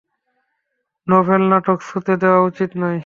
নভেল-নাটক ছুঁতে দেওয়া উচিত নয়।